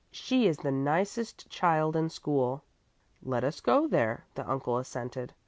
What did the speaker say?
She is the nicest child in school." "Let us go there," the uncle assented.